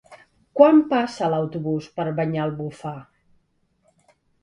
Quan passa l'autobús per Banyalbufar?